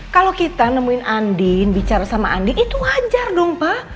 kalau kita nemuin andin bicara sama andi itu wajar dong pak